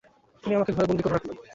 তিনি আমাকে ঘরে বন্দী করে রাখলেন।